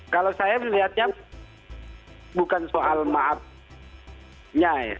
kalau saya melihatnya bukan soal maafnya ya